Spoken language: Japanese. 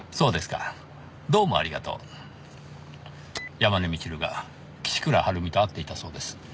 山根みちるが岸倉治美と会っていたそうです。